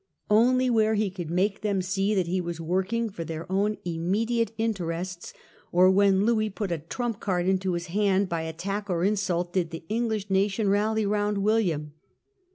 Only where he could make them see that he was working for their own immediate interests, or when Louis put a trump card into his hand by attack or insult, did the English nation rally round William.